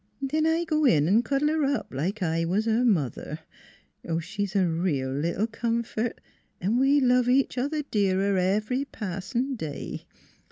Then I go in & cuddle her up, like I was her mother. She is a real little comfort & we love each other dearer every passing day.